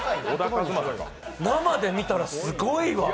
生で見たらすごいわ。